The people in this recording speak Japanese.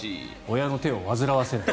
親の手を煩わせない。